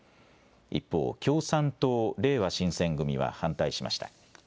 一方、共産党、れいわ新選組は反対しました。